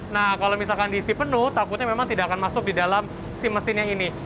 nah kalau misalkan diisi penuh takutnya memang tidak akan masuk di dalam si mesin yang ini